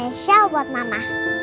special buat mama